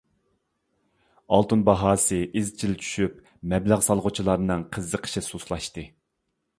ئالتۇن باھاسى ئىزچىل چۈشۈپ مەبلەغ سالغۇچىلارنىڭ قىزىقىشى سۇسلاشتى.